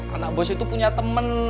anak bos itu punya teman